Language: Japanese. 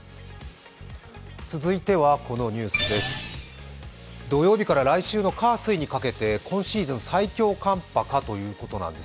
続いては、このニュースです土曜日から来週の火水にかけて今シーズン最強の寒波かと言われています。